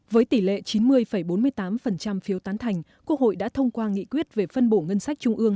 với tỷ lệ chín mươi bốn mươi tám phiếu tán thành quốc hội đã thông qua nghị quyết về phân bổ ngân sách trung ương